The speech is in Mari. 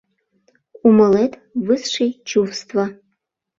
Умылет: высший чувство!